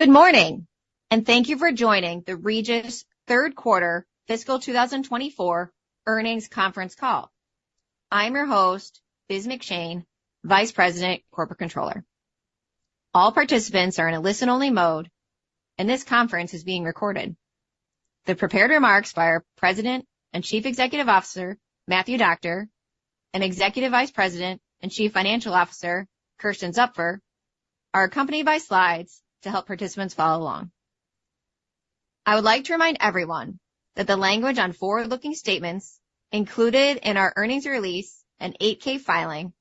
Good morning, and thank you for joining the Regis Third Quarter Fiscal 2024 Earnings Conference call. I'm your host, Biz McShane, Vice President Corporate Controller. All participants are in a listen-only mode, and this conference is being recorded. The prepared remarks by our President and Chief Executive Officer Matthew Doctor and Executive Vice President and Chief Financial Officer Kersten Zupfer are accompanied by slides to help participants follow along. I would like to remind everyone that the language on forward-looking statements included in our earnings release and 8-K filing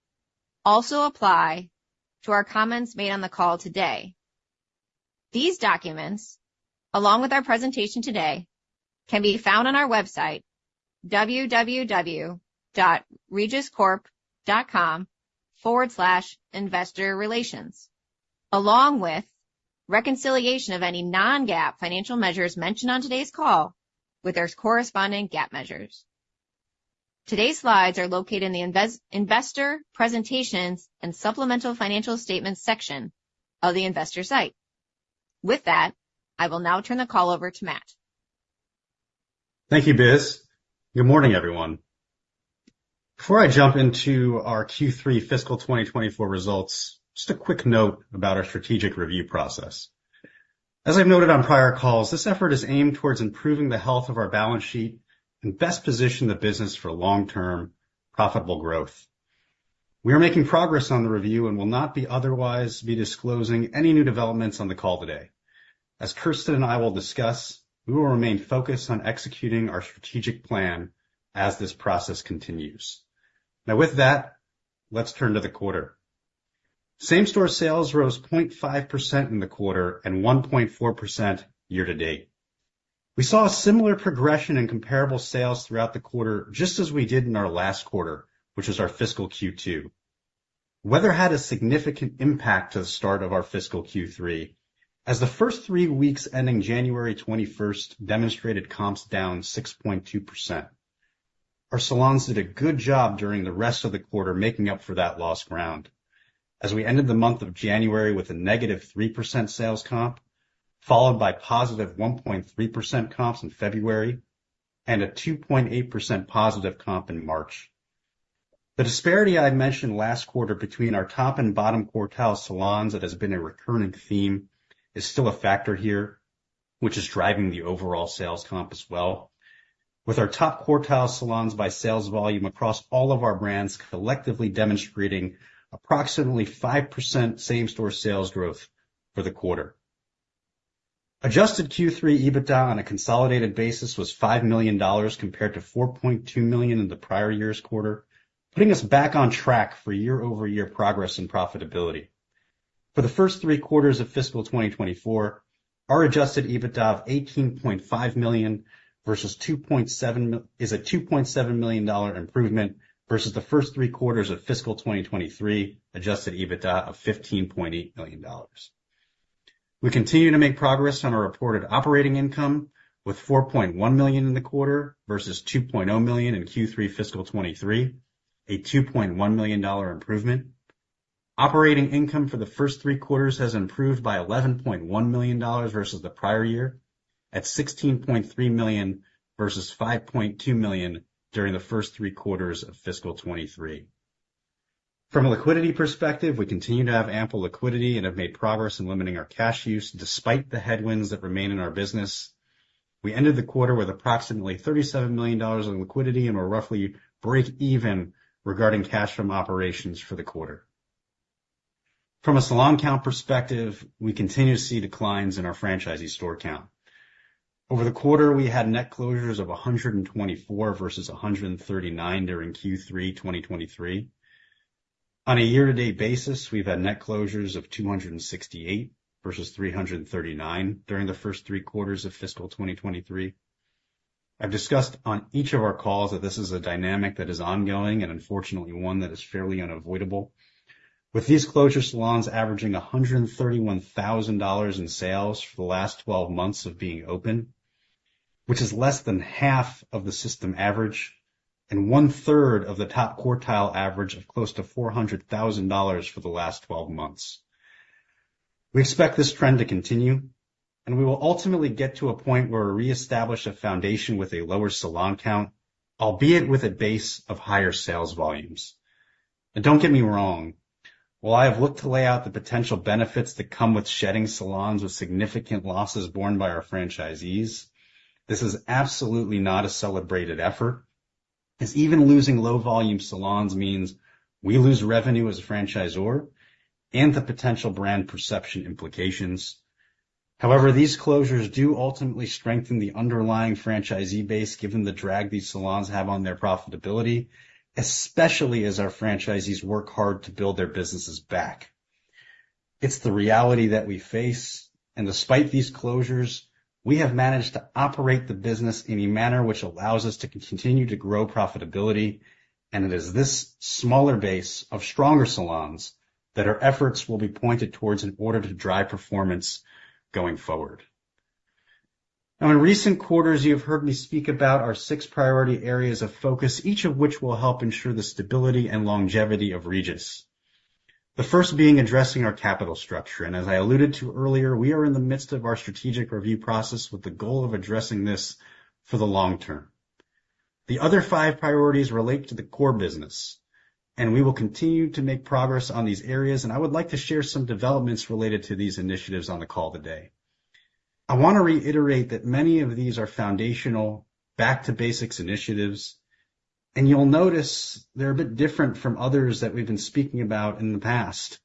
also applies to our comments made on the call today. These documents, along with our presentation today, can be found on our website www.regiscorp.com/investorrelations, along with reconciliation of any non-GAAP financial measures mentioned on today's call with their corresponding GAAP measures. Today's slides are located in the Investor Presentations and Supplemental Financial Statements section of the investor site. With that, I will now turn the call over to Matt. Thank you, Biz. Good morning, everyone. Before I jump into our Q3 fiscal 2024 results, just a quick note about our strategic review process. As I've noted on prior calls, this effort is aimed towards improving the health of our balance sheet and best position the business for long-term profitable growth. We are making progress on the review and will not otherwise be disclosing any new developments on the call today. As Kersten and I will discuss, we will remain focused on executing our strategic plan as this process continues. Now, with that, let's turn to the quarter. Same-store sales rose 0.5% in the quarter and 1.4% year to date. We saw a similar progression in comparable sales throughout the quarter just as we did in our last quarter, which was our fiscal Q2. Weather had a significant impact to the start of our fiscal Q3, as the first three weeks ending January 21st demonstrated comps down -6.2%. Our salons did a good job during the rest of the quarter making up for that lost ground, as we ended the month of January with a -3% sales comp, followed by +1.3% comps in February and a +2.8% positive comp in March. The disparity I mentioned last quarter between our top and bottom quartile salons that has been a recurring theme is still a factor here, which is driving the overall sales comp as well, with our top quartile salons by sales volume across all of our brands collectively demonstrating approximately +5% same-store sales growth for the quarter. Adjusted Q3 EBITDA on a consolidated basis was $5 million compared to $4.2 million in the prior year's quarter, putting us back on track for year-over-year progress in profitability. For the first three quarters of fiscal 2024, our adjusted EBITDA of $18.5 million is a $2.7 million improvement versus the first three quarters of fiscal 2023 adjusted EBITDA of $15.8 million. We continue to make progress on our reported operating income with $4.1 million in the quarter versus $2.0 million in Q3 fiscal 2023, a $2.1 million improvement. Operating income for the first three quarters has improved by $11.1 million versus the prior year, at $16.3 million versus $5.2 million during the first three quarters of fiscal 2023. From a liquidity perspective, we continue to have ample liquidity and have made progress in limiting our cash use despite the headwinds that remain in our business. We ended the quarter with approximately $37 million in liquidity and were roughly break-even regarding cash from operations for the quarter. From a salon count perspective, we continue to see declines in our franchisee store count. Over the quarter, we had net closures of 124 versus 139 during Q3 2023. On a year-to-date basis, we've had net closures of 268 versus 339 during the first three quarters of fiscal 2023. I've discussed on each of our calls that this is a dynamic that is ongoing and, unfortunately, one that is fairly unavoidable. With these closure salons averaging $131,000 in sales for the last 12 months of being open, which is less than half of the system average and one-third of the top quartile average of close to $400,000 for the last 12 months. We expect this trend to continue, and we will ultimately get to a point where we reestablish a foundation with a lower salon count, albeit with a base of higher sales volumes. Don't get me wrong, while I have looked to lay out the potential benefits that come with shedding salons with significant losses borne by our franchisees, this is absolutely not a celebrated effort, as even losing low-volume salons means we lose revenue as a franchisor and the potential brand perception implications. However, these closures do ultimately strengthen the underlying franchisee base given the drag these salons have on their profitability, especially as our franchisees work hard to build their businesses back. It's the reality that we face, and despite these closures, we have managed to operate the business in a manner which allows us to continue to grow profitability, and it is this smaller base of stronger salons that our efforts will be pointed towards in order to drive performance going forward. Now, in recent quarters, you have heard me speak about our six priority areas of focus, each of which will help ensure the stability and longevity of Regis. The first being addressing our capital structure, and as I alluded to earlier, we are in the midst of our strategic review process with the goal of addressing this for the long term. The other five priorities relate to the core business, and we will continue to make progress on these areas, and I would like to share some developments related to these initiatives on the call today. I want to reiterate that many of these are foundational, back-to-basics initiatives, and you'll notice they're a bit different from others that we've been speaking about in the past.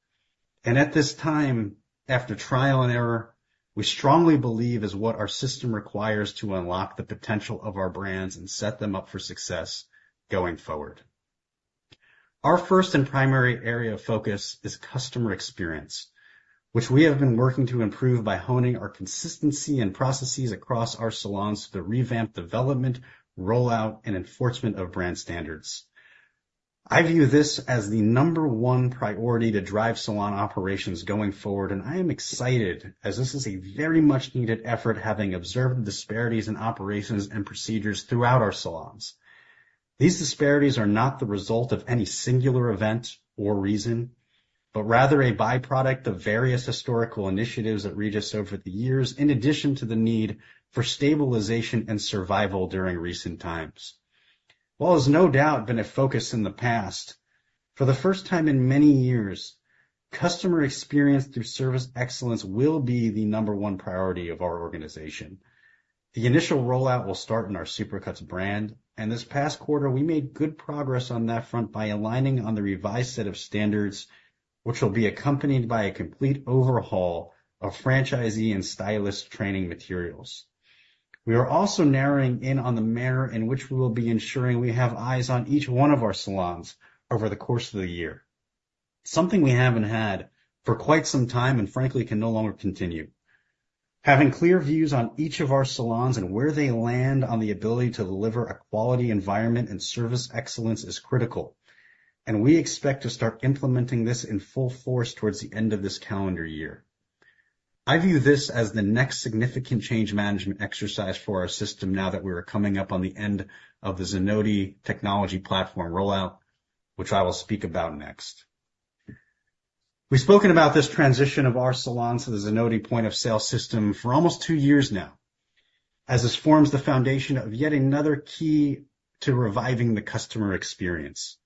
At this time, after trial and error, we strongly believe is what our system requires to unlock the potential of our brands and set them up for success going forward. Our first and primary area of focus is customer experience, which we have been working to improve by honing our consistency and processes across our salons to the revamp, development, rollout, and enforcement of brand standards. I view this as the number one priority to drive salon operations going forward, and I am excited as this is a very much needed effort having observed the disparities in operations and procedures throughout our salons. These disparities are not the result of any singular event or reason, but rather a byproduct of various historical initiatives at Regis over the years in addition to the need for stabilization and survival during recent times. While it has no doubt been a focus in the past, for the first time in many years, customer experience through service excellence will be the number one priority of our organization. The initial rollout will start in our Supercuts brand, and this past quarter, we made good progress on that front by aligning on the revised set of standards, which will be accompanied by a complete overhaul of franchisee and stylist training materials. We are also narrowing in on the manner in which we will be ensuring we have eyes on each one of our salons over the course of the year, something we haven't had for quite some time and frankly can no longer continue. Having clear views on each of our salons and where they land on the ability to deliver a quality environment and service excellence is critical, and we expect to start implementing this in full force towards the end of this calendar year. I view this as the next significant change management exercise for our system now that we are coming up on the end of the Zenoti technology platform rollout, which I will speak about next. We've spoken about this transition of our salons to the Zenoti point-of-sale system for almost 2 years now, as this forms the foundation of yet another key to reviving the customer experience.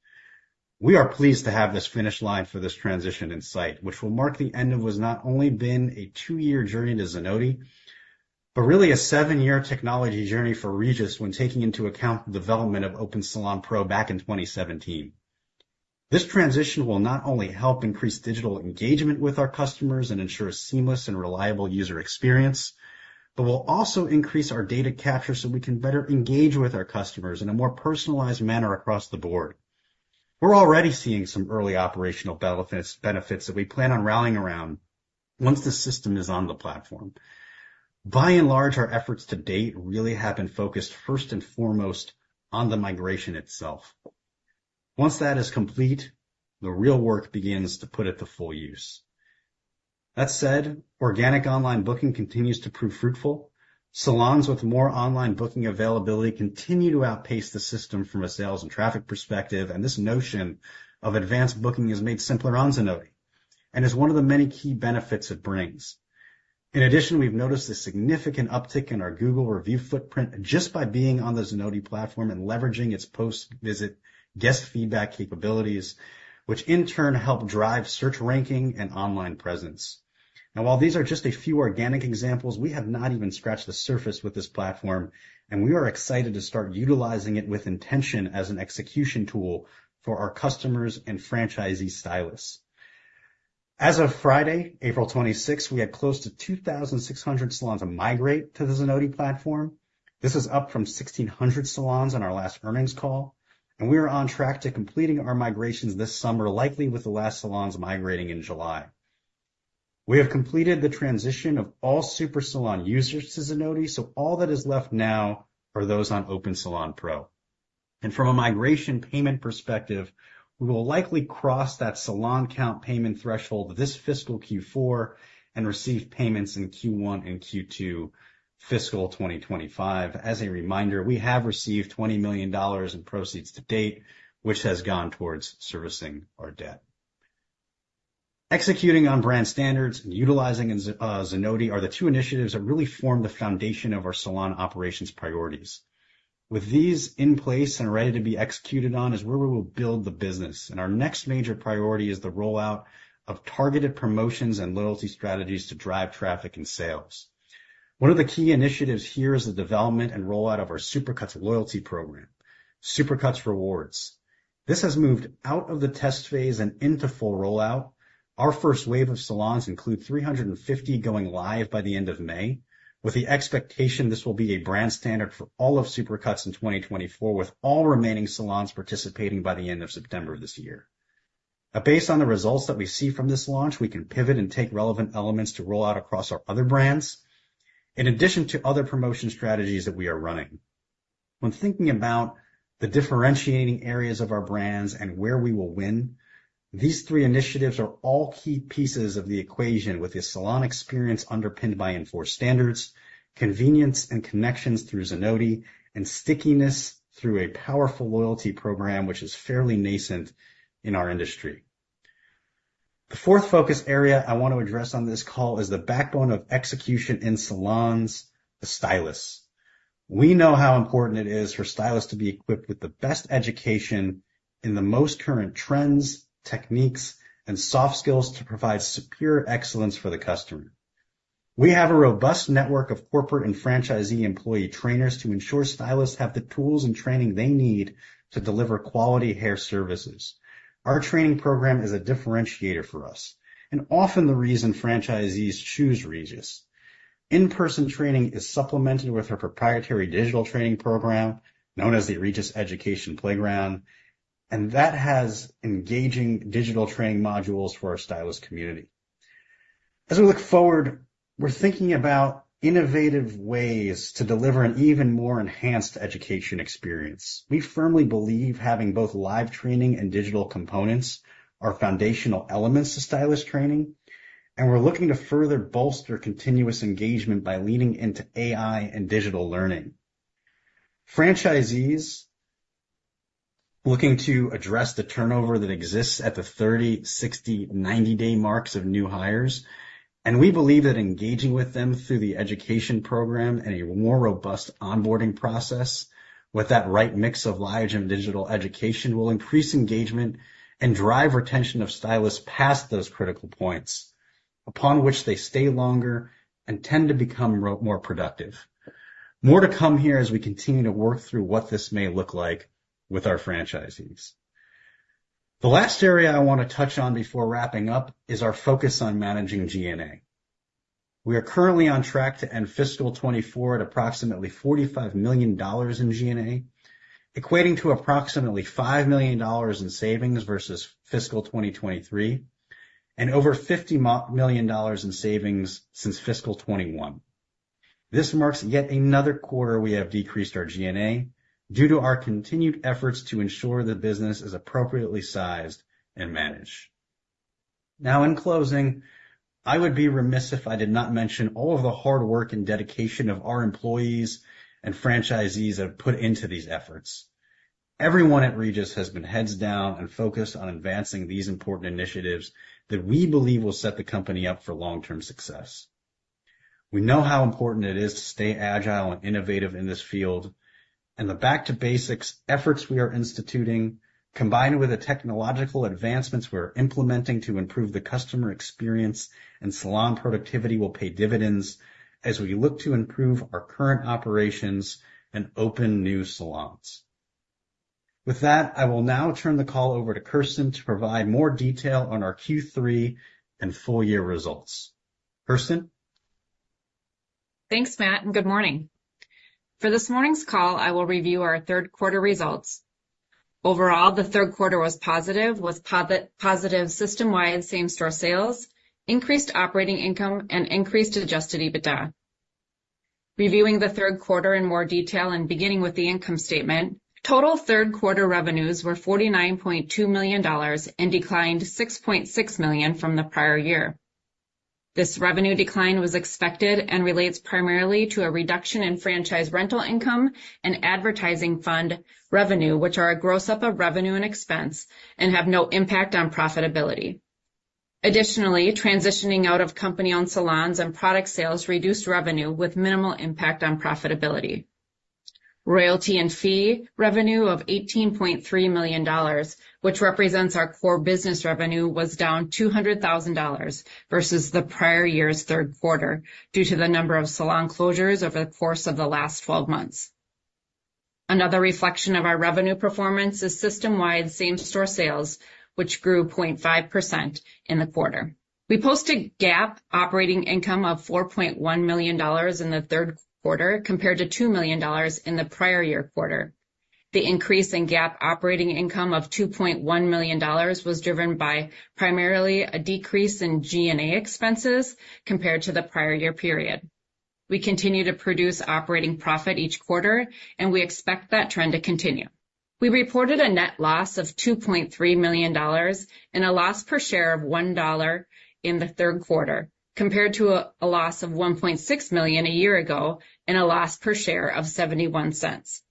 We are pleased to have this finish line for this transition in sight, which will mark the end of what has not only been a 2-year journey to Zenoti, but really a 7-year technology journey for Regis when taking into account the development of Open Salon Pro back in 2017. This transition will not only help increase digital engagement with our customers and ensure a seamless and reliable user experience, but will also increase our data capture so we can better engage with our customers in a more personalized manner across the board. We're already seeing some early operational benefits that we plan on rallying around once the system is on the platform. By and large, our efforts to date really have been focused first and foremost on the migration itself. Once that is complete, the real work begins to put it to full use. That said, organic online booking continues to prove fruitful. Salons with more online booking availability continue to outpace the system from a sales and traffic perspective, and this notion of advanced booking is made simpler on Zenoti and is one of the many key benefits it brings. In addition, we've noticed a significant uptick in our Google review footprint just by being on the Zenoti platform and leveraging its post-visit guest feedback capabilities, which in turn help drive search ranking and online presence. Now, while these are just a few organic examples, we have not even scratched the surface with this platform, and we are excited to start utilizing it with intention as an execution tool for our customers and franchisee stylists. As of Friday, April 26th, we had close to 2,600 salons migrate to the Zenoti platform. This is up from 1,600 salons on our last earnings call, and we are on track to completing our migrations this summer, likely with the last salons migrating in July. We have completed the transition of all SuperSalon users to Zenoti, so all that is left now are those on Open Salon Pro. And from a migration payment perspective, we will likely cross that salon count payment threshold this fiscal Q4 and receive payments in Q1 and Q2 fiscal 2025. As a reminder, we have received $20 million in proceeds to date, which has gone towards servicing our debt. Executing on brand standards and utilizing Zenoti are the two initiatives that really form the foundation of our salon operations priorities. With these in place and ready to be executed on is where we will build the business, and our next major priority is the rollout of targeted promotions and loyalty strategies to drive traffic and sales. One of the key initiatives here is the development and rollout of our Supercuts loyalty program, Supercuts Rewards. This has moved out of the test phase and into full rollout. Our first wave of salons includes 350 going live by the end of May, with the expectation this will be a brand standard for all of Supercuts in 2024, with all remaining salons participating by the end of September of this year. Based on the results that we see from this launch, we can pivot and take relevant elements to roll out across our other brands in addition to other promotion strategies that we are running. When thinking about the differentiating areas of our brands and where we will win, these three initiatives are all key pieces of the equation with the salon experience underpinned by enforced standards, convenience and connections through Zenoti, and stickiness through a powerful loyalty program which is fairly nascent in our industry. The fourth focus area I want to address on this call is the backbone of execution in salons, the stylists. We know how important it is for stylists to be equipped with the best education in the most current trends, techniques, and soft skills to provide superior excellence for the customer. We have a robust network of corporate and franchisee employee trainers to ensure stylists have the tools and training they need to deliver quality hair services. Our training program is a differentiator for us and often the reason franchisees choose Regis. In-person training is supplemented with our proprietary digital training program known as the Regis Education Playground, and that has engaging digital training modules for our stylist community. As we look forward, we're thinking about innovative ways to deliver an even more enhanced education experience. We firmly believe having both live training and digital components are foundational elements to stylist training, and we're looking to further bolster continuous engagement by leaning into AI and digital learning. Franchisees are looking to address the turnover that exists at the 30, 60, 90-day marks of new hires, and we believe that engaging with them through the education program and a more robust onboarding process with that right mix of live and digital education will increase engagement and drive retention of stylists past those critical points, upon which they stay longer and tend to become more productive. More to come here as we continue to work through what this may look like with our franchisees. The last area I want to touch on before wrapping up is our focus on managing G&A. We are currently on track to end fiscal 2024 at approximately $45 million in G&A, equating to approximately $5 million in savings versus fiscal 2023 and over $50 million in savings since fiscal 2021. This marks yet another quarter we have decreased our G&A due to our continued efforts to ensure the business is appropriately sized and managed. Now, in closing, I would be remiss if I did not mention all of the hard work and dedication of our employees and franchisees that have put into these efforts. Everyone at Regis has been heads down and focused on advancing these important initiatives that we believe will set the company up for long-term success. We know how important it is to stay agile and innovative in this field, and the back-to-basics efforts we are instituting, combined with the technological advancements we are implementing to improve the customer experience and salon productivity, will pay dividends as we look to improve our current operations and open new salons. With that, I will now turn the call over to Kersten to provide more detail on our Q3 and full-year results. Kersten. Thanks, Matt, and good morning. For this morning's call, I will review our third-quarter results. Overall, the third quarter was positive, with positive system-wide same-store sales, increased operating income, and increased adjusted EBITDA. Reviewing the third quarter in more detail and beginning with the income statement, total third-quarter revenues were $49.2 million and declined $6.6 million from the prior year. This revenue decline was expected and relates primarily to a reduction in franchise rental income and advertising fund revenue, which are a gross-up of revenue and expense and have no impact on profitability. Additionally, transitioning out of company-owned salons and product sales reduced revenue with minimal impact on profitability. Royalty and fee revenue of $18.3 million, which represents our core business revenue, was down $200,000 versus the prior year's third quarter due to the number of salon closures over the course of the last 12 months. Another reflection of our revenue performance is system-wide same-store sales, which grew 0.5% in the quarter. We posted GAAP operating income of $4.1 million in the third quarter compared to $2 million in the prior year quarter. The increase in GAAP operating income of $2.1 million was driven by primarily a decrease in G&A expenses compared to the prior year period. We continue to produce operating profit each quarter, and we expect that trend to continue. We reported a net loss of $2.3 million and a loss per share of $1 in the third quarter compared to a loss of $1.6 million a year ago and a loss per share of $0.71.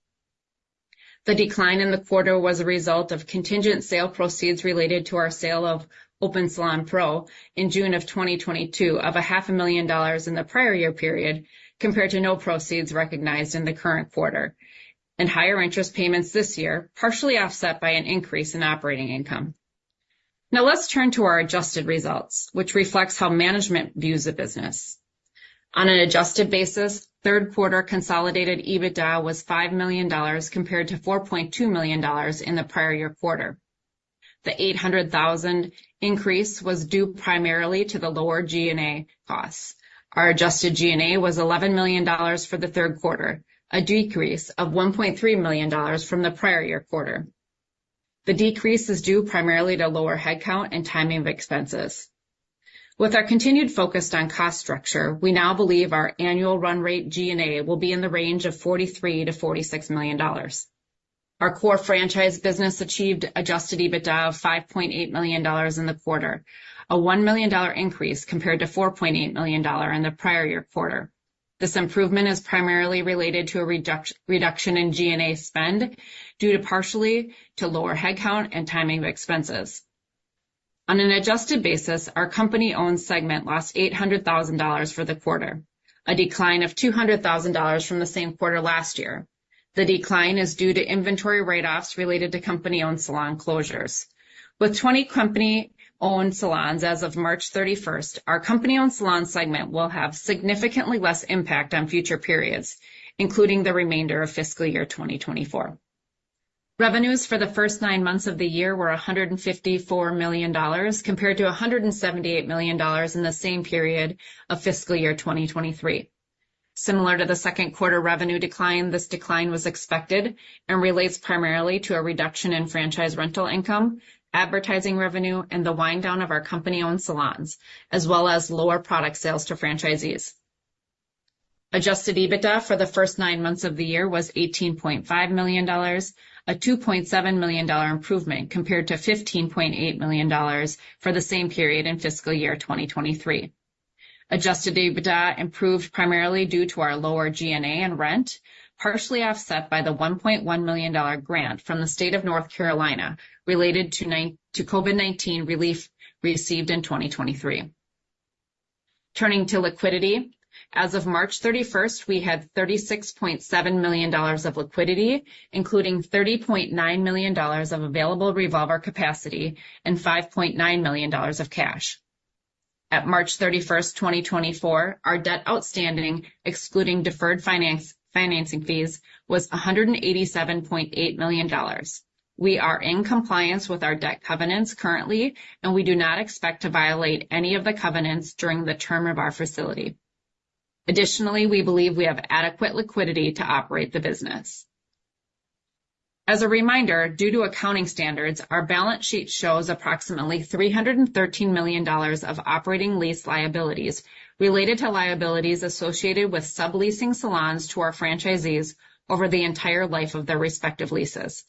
The decline in the quarter was a result of contingent sale proceeds related to our sale of Open Salon Pro in June of 2022 of $500,000 in the prior year period compared to no proceeds recognized in the current quarter and higher interest payments this year, partially offset by an increase in operating income. Now, let's turn to our adjusted results, which reflects how management views the business. On an adjusted basis, third-quarter consolidated EBITDA was $5 million compared to $4.2 million in the prior year quarter. The $800,000 increase was due primarily to the lower G&A costs. Our adjusted G&A was $11 million for the third quarter, a decrease of $1.3 million from the prior year quarter. The decrease is due primarily to lower headcount and timing of expenses. With our continued focus on cost structure, we now believe our annual run-rate G&A will be in the range of $43-$46 million. Our core franchise business achieved adjusted EBITDA of $5.8 million in the quarter, a $1 million increase compared to $4.8 million in the prior year quarter. This improvement is primarily related to a reduction in G&A spend due partially to lower headcount and timing of expenses. On an adjusted basis, our company-owned segment lost $800,000 for the quarter, a decline of $200,000 from the same quarter last year. The decline is due to inventory write-offs related to company-owned salon closures. With 20 company-owned salons as of March 31st, our company-owned salon segment will have significantly less impact on future periods, including the remainder of fiscal year 2024. Revenues for the first nine months of the year were $154 million compared to $178 million in the same period of fiscal year 2023. Similar to the second-quarter revenue decline, this decline was expected and relates primarily to a reduction in franchise rental income, advertising revenue, and the wind-down of our company-owned salons, as well as lower product sales to franchisees. Adjusted EBITDA for the first nine months of the year was $18.5 million, a $2.7 million improvement compared to $15.8 million for the same period in fiscal year 2023. Adjusted EBITDA improved primarily due to our lower G&A and rent, partially offset by the $1.1 million grant from the state of North Carolina related to COVID-19 relief received in 2023. Turning to liquidity, as of March 31st, we had $36.7 million of liquidity, including $30.9 million of available revolver capacity and $5.9 million of cash. At March 31st, 2024, our debt outstanding, excluding deferred financing fees, was $187.8 million. We are in compliance with our debt covenants currently, and we do not expect to violate any of the covenants during the term of our facility. Additionally, we believe we have adequate liquidity to operate the business. As a reminder, due to accounting standards, our balance sheet shows approximately $313 million of operating lease liabilities related to liabilities associated with subleasing salons to our franchisees over the entire life of their respective leases.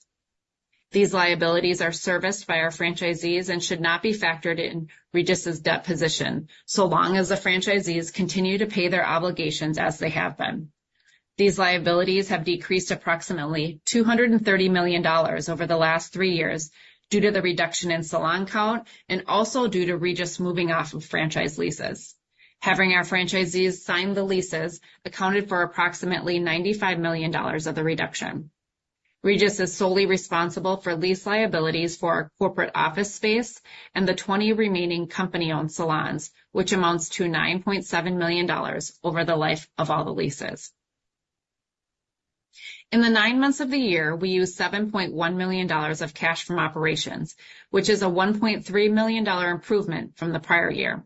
These liabilities are serviced by our franchisees and should not be factored in Regis's debt position so long as the franchisees continue to pay their obligations as they have been. These liabilities have decreased approximately $230 million over the last three years due to the reduction in salon count and also due to Regis moving off of franchise leases. Having our franchisees sign the leases accounted for approximately $95 million of the reduction. Regis is solely responsible for lease liabilities for our corporate office space and the 20 remaining company-owned salons, which amounts to $9.7 million over the life of all the leases. In the nine months of the year, we used $7.1 million of cash from operations, which is a $1.3 million improvement from the prior year.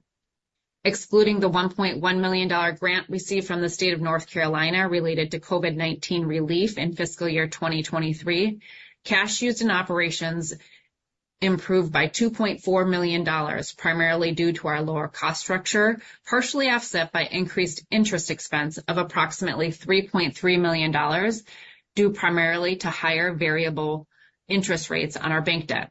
Excluding the $1.1 million grant received from the state of North Carolina related to COVID-19 relief in fiscal year 2023, cash used in operations improved by $2.4 million, primarily due to our lower cost structure, partially offset by increased interest expense of approximately $3.3 million due primarily to higher variable interest rates on our bank debt.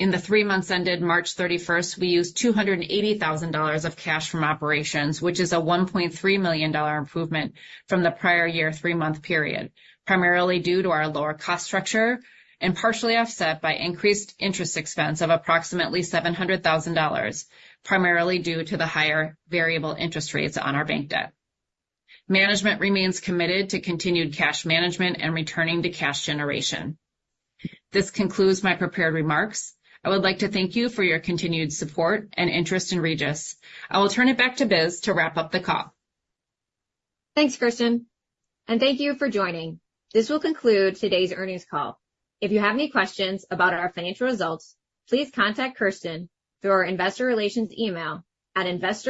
In the three months ended March 31st, we used $280,000 of cash from operations, which is a $1.3 million improvement from the prior year three-month period, primarily due to our lower cost structure and partially offset by increased interest expense of approximately $700,000, primarily due to the higher variable interest rates on our bank debt. Management remains committed to continued cash management and returning to cash generation. This concludes my prepared remarks. I would like to thank you for your continued support and interest in Regis. I will turn it back to Biz to wrap up the call. Thanks, Kersten. Thank you for joining. This will conclude today's earnings call. If you have any questions about our financial results, please contact Kersten through our investor relations email at investor.